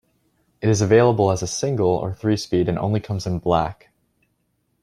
It is available as a single or three speed and only comes in Black.